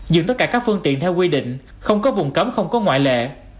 dừng tất cả các phương tiện theo quy định không có vùng cấm không có ngoại lệ